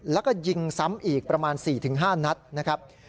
แล้วก็ยิงซ้ำอีกประมาณ๔๕นัดนะครับ